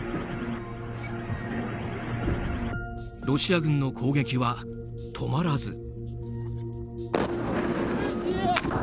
ロシア軍の攻撃は止まらず。